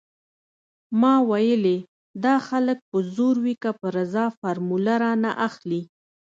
ما ويلې دا خلک په زور وي که په رضا فارموله رانه اخلي.